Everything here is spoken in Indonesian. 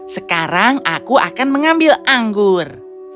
sekarang aku akan mengambil anggur